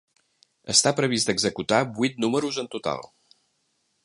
Està previst executar vuit números en total.